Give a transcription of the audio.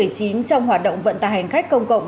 trong hoạt động vận tải hành khách công cộng